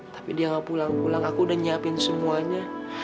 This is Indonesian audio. tapi dia tidak pulang pulang aku sudah menyiapkan semuanya